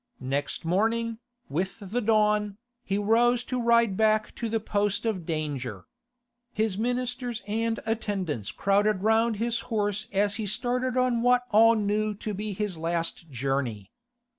Next morning, with the dawn, he rose to ride back to the post of danger. His ministers and attendants crowded round his horse as he started on what all knew to be his last journey.